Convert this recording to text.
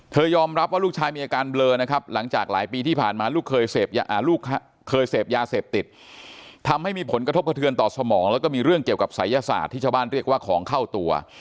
ยอมรับว่าลูกชายมีอาการเบลอนะครับหลังจากหลายปีที่ผ่านมาลูกเคยเสพยาเสพติดทำให้มีผลกระทบกระเทือนต่อสมองแล้วก็มีเรื่องเกี่ยวกับศัยศาสตร์ที่ชาวบ้านเรียกว่าของเข้าตัว